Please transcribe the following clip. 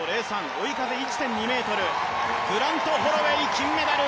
追い風１．２ｍ、グラント・ホロウェイ金メダル。